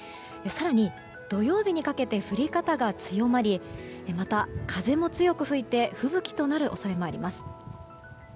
更に土曜日にかけて降り方が強まりまた、風も強く吹いて吹雪となる恐れもあります。